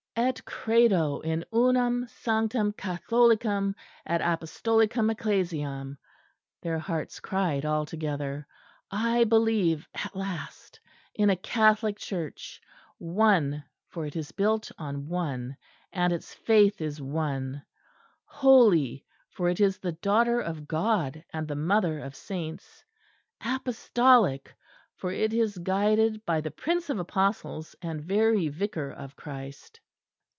"Et credo in unam sanctam Catholicam et Apostolicam Ecclesiam" their hearts cried all together. "I believe at last in a Catholic Church; one, for it is built on one and its faith is one; holy, for it is the Daughter of God and the Mother of Saints; Apostolic, for it is guided by the Prince of Apostles and very Vicar of Christ."